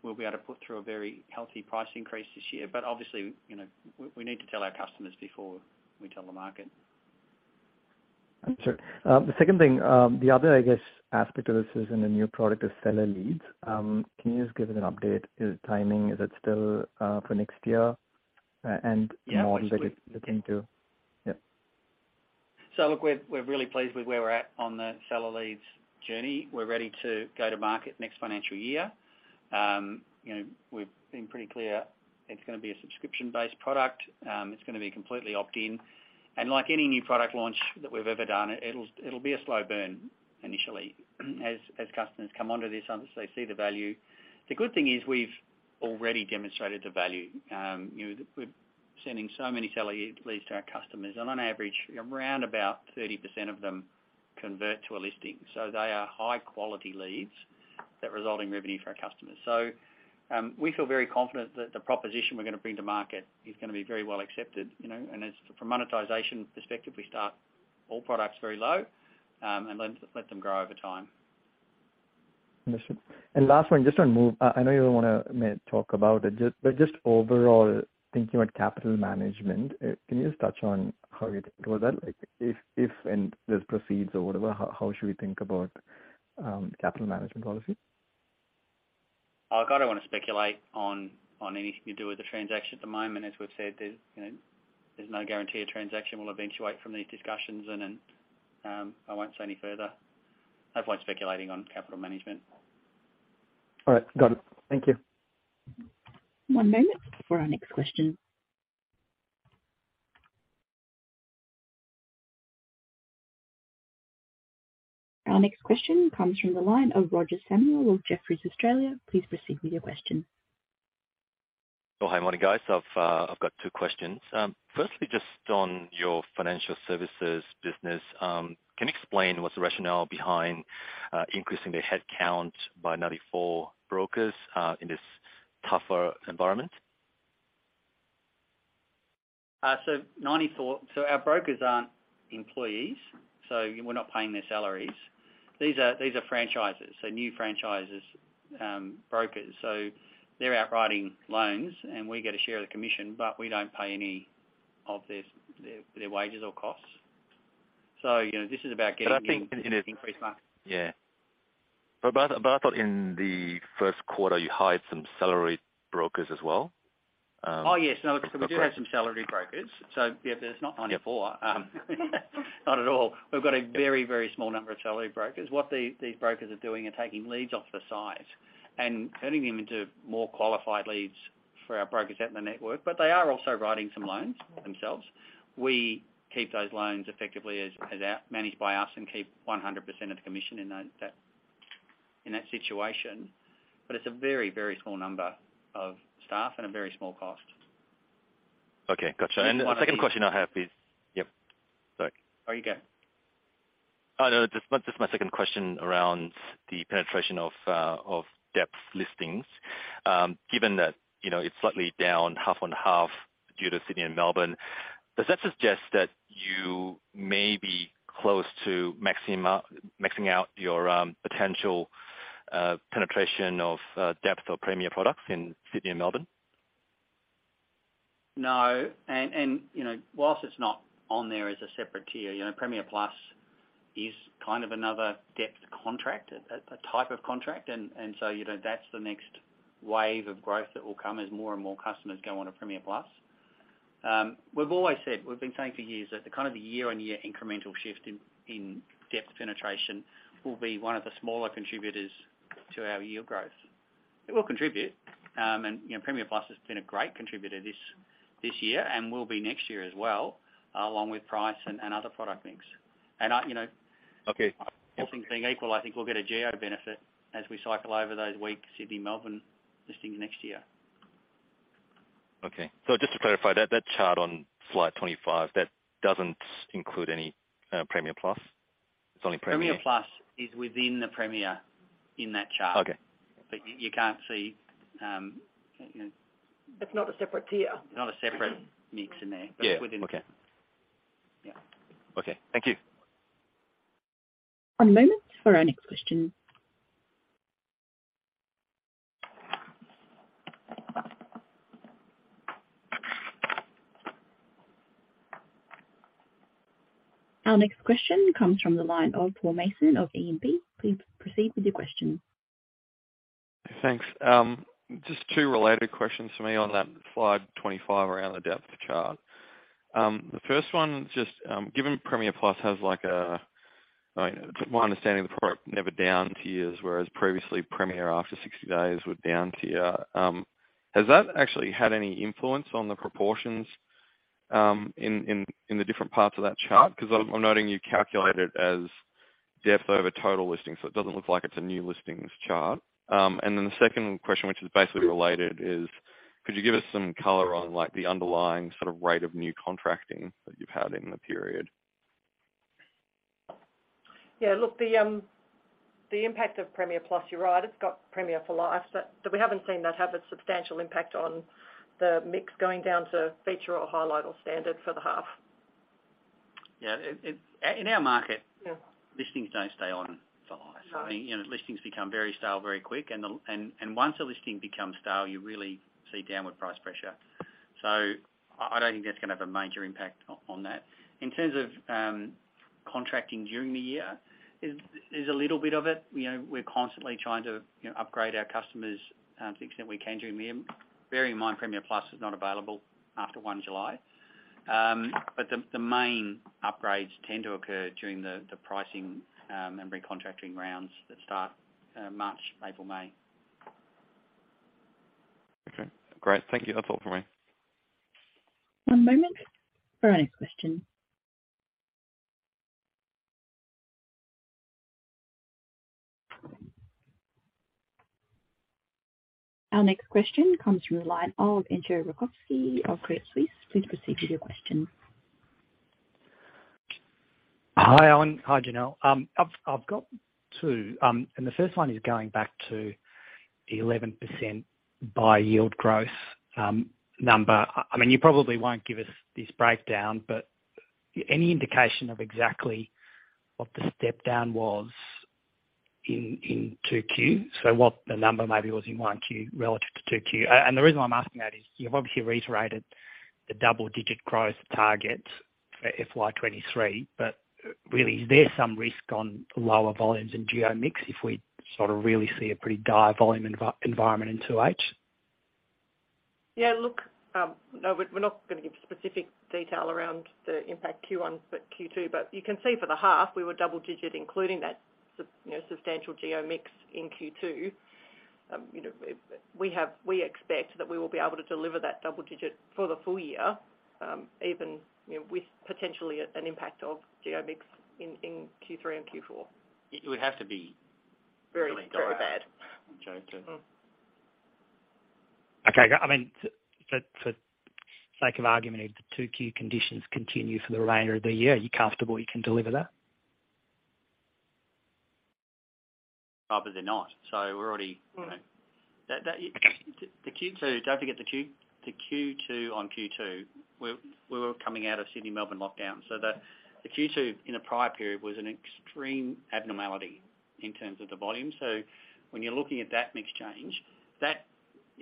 we'll be able to put through a very healthy price increase this year. Obviously, you know, we need to tell our customers before we tell the market. Sure. The second thing, the other, I guess, aspect of this is in the new product is seller leads. Can you just give us an update? Is timing, is it still for next year? And models that you're looking to. Yeah. Look, we're really pleased with where we're at on the seller leads journey. We're ready to go to market next financial year. You know, we've been pretty clear it's gonna be a subscription-based product. It's gonna be completely opt-in. Like any new product launch that we've ever done, it'll be a slow burn initially as customers come onto this, obviously see the value. The good thing is we've already demonstrated the value. You know, we're sending so many seller leads to our customers, and on average, around about 30% of them convert to a listing. They are high quality leads that result in revenue for our customers. We feel very confident that the proposition we're gonna bring to market is gonna be very well accepted, you know. As from monetization perspective, we start all products very low, and let them grow over time. Understood. Last one, just on Move, I know you don't wanna talk about it, just overall thinking about capital management, can you just touch on how you go that? Like, if this proceeds or whatever, how should we think about capital management policy? Look, I don't wanna speculate on anything to do with the transaction at the moment. As we've said, there's, you know, there's no guarantee a transaction will eventuate from these discussions. I won't say any further. I don't like speculating on capital management. All right. Got it. Thank you. One moment for our next question. Our next question comes from the line of Roger Samuel of Jefferies Australia. Please proceed with your question. Oh, hi. Morning, guys. I've got two questions. Firstly, just on your financial services business, can you explain what's the rationale behind increasing the headcount by 94 brokers in this tougher environment? Our brokers aren't employees, so we're not paying their salaries. These are franchises, so new franchises, brokers. They're out writing loans, and we get a share of the commission, but we don't pay any of their wages or costs. This is about getting. I think in Increased market. Yeah. I thought in the first quarter you hired some salaried brokers as well. Oh, yes. No, we do have some salaried brokers. There's not 94. Not at all. We've got a very, very small number of salaried brokers. What these brokers are doing are taking leads off the site and turning them into more qualified leads for our brokers out in the network. They are also writing some loans themselves. We keep those loans effectively as out, managed by us and keep 100% of the commission in that, in that situation. It's a very, very small number of staff and a very small cost. Okay, gotcha. The second question I have is... Yep. Sorry. Oh, you go. Oh, no. Just my second question around the penetration of depth listings. Given that, you know, it's slightly down half on half due to Sydney and Melbourne, does that suggest that you may be close to maxing out your potential penetration of depth or Premier products in Sydney and Melbourne? No. you know, whilst it's not on there as a separate tier, you know, Premiere+ is kind of another Depth contract, a type of contract. so, you know, that's the next wave of growth that will come as more and more customers go on a Premiere+. we've always said, we've been saying for years that the kind of the year-on-year incremental shift in depth penetration will be one of the smaller contributors to our yield growth. It will contribute. you know, Premiere+ has been a great contributor this year and will be next year as well, along with price and other product mix. I, you know. Okay. All things being equal, I think we'll get a geo benefit as we cycle over those weak Sydney/Melbourne listings next year. Okay. just to clarify that chart on slide 25, that doesn't include any, Premiere+? It's only. Premiere+ is within the Premier in that chart. Okay. You can't see, you know... It's not a separate tier. Not a separate mix in there. Yeah. Okay. Yeah. Okay. Thank you. One moment for our next question. Our next question comes from the line of Paul Mason of E&P. Please proceed with your question. Thanks. Just two related questions for me on that slide 25 around the depth of chart. The first one, just given Premiere+ has like a, my understanding, the product never down tiers, whereas previously Premiere after 60 days were down tier. Has that actually had any influence on the proportions in the different parts of that chart? Because I'm noting you calculate it as depth over total listings, so it doesn't look like it's a new listings chart. The second question, which is basically related, is could you give us some color on like the underlying sort of rate of new contracting that you've had in the period? Yeah, look, the impact of Premiere+, you're right, it's got Premier for life. We haven't seen that have a substantial impact on the mix going down to feature or highlight or standard for the half. Yeah. In our market. Yeah Listings don't stay on for life. No. I mean, you know, listings become very stale very quick, and once a listing becomes stale, you really see downward price pressure. I don't think that's gonna have a major impact on that. In terms of contracting during the year, it's a little bit of it. You know, we're constantly trying to, you know, upgrade our customers to the extent we can during the year. Bearing in mind, Premiere+ is not available after 1 July. The main upgrades tend to occur during the pricing and recontracting rounds that start March, April, May. Okay, great. Thank you. That's all for me. One moment for our next question. Our next question comes from the line of Entcho Raykovski of Credit Suisse. Please proceed with your question. Hi, Owen. Hi, Janelle. I've got two. The first one is going back to the 11% buy yield growth number. I mean, you probably won't give us this breakdown, but any indication of exactly what the step down was in 2Q? What the number maybe was in 1Q relative to 2Q. The reason why I'm asking that is you've obviously reiterated the double-digit growth target for FY 2023, but really is there some risk on lower volumes in geo mix if we sort of really see a pretty dire volume environment in 2H? Look, no, we're not gonna give specific detail around the impact Q1, but Q2. You can see for the half, we were double digit, including that, you know, substantial geo mix in Q2. You know, we expect that we will be able to deliver that double digit for the full year, even, you know, with potentially an impact of geo mix in Q3 and Q4. It would have to be. Very, very bad. Okay. Mm. Okay. I mean, for sake of argument, if the two key conditions continue for the remainder of the year, are you comfortable you can deliver that? Rather they're not. We're already, you know. That, the Q2, don't forget the Q2 on Q2, we were coming out of Sydney/Melbourne lockdown. The Q2 in the prior period was an extreme abnormality in terms of the volume. When you're looking at that mix change,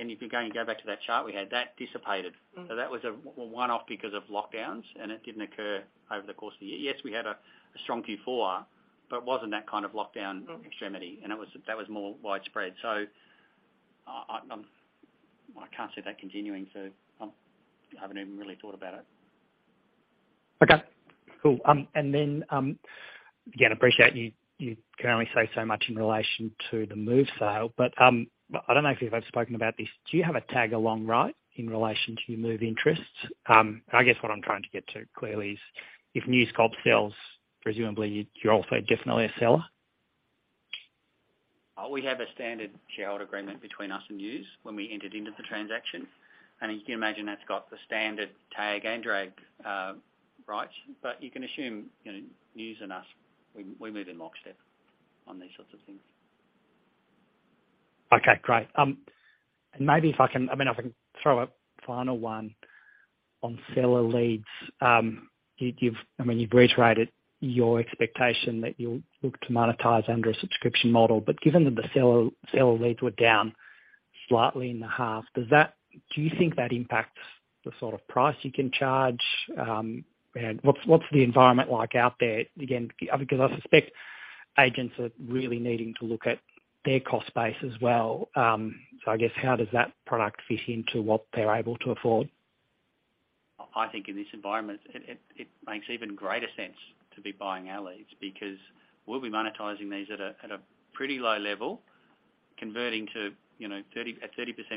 if you're going to go back to that chart we had, that dissipated. Mm-hmm. That was a one-off because of lockdowns, and it didn't occur over the course of the year. Yes, we had a strong Q4. It wasn't that kind of lockdown extremity. Mm-hmm. That was more widespread. I can't see that continuing, I haven't even really thought about it. Okay. Cool. Again, appreciate you can only say so much in relation to the Move sale, but I don't know if you've ever spoken about this. Do you have a tag-along right in relation to your Move interests? I guess what I'm trying to get to, clearly, is if News Corp sells, presumably you're also definitely a seller? We have a standard shareholder agreement between us and News when we entered into the transaction. You can imagine that's got the standard tag and drag rights. You can assume, you know, News and us, we move in lockstep on these sorts of things. Okay, great. Maybe if I can... I mean, if I can throw a final one on seller leads. you've... I mean, you've reiterated your expectation that you'll look to monetize under a subscription model. Given that the seller leads were down slightly in the half, do you think that impacts the sort of price you can charge? What's, what's the environment like out there? Again, because I suspect agents are really needing to look at their cost base as well. I guess how does that product fit into what they're able to afford? I think in this environment, it makes even greater sense to be buying our leads because we'll be monetizing these at a pretty low level, converting to, you know, 30%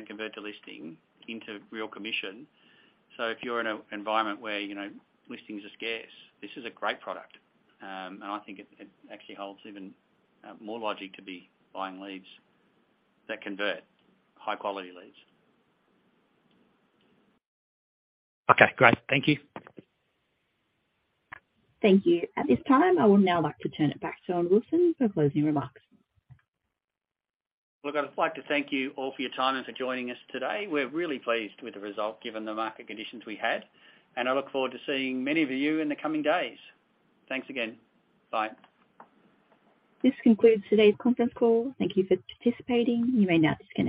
convert to listing into real commission. If you're in an environment where, you know, listings are scarce, this is a great product. And I think it actually holds even more logic to be buying leads that convert, high quality leads. Okay, great. Thank you. Thank you. At this time, I would now like to turn it back to Owen Wilson for closing remarks. Look, I'd like to thank you all for your time and for joining us today. We're really pleased with the result, given the market conditions we had, and I look forward to seeing many of you in the coming days. Thanks again. Bye. This concludes today's conference call. Thank you for participating. You may now disconnect.